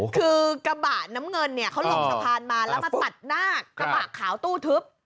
คือกระบาดน้ำเงินเขาหล่มสะพานมาแล้วมาตัดหน้ากระบาดขาวตู้ทึบ